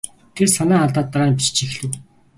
Тэр санаа алдаад дараа нь бичиж эхлэв.